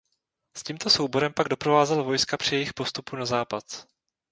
S tímto souborem pak doprovázel vojska při jejich postupu na západ.